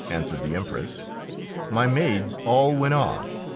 answered the Empress. "My maids all went off.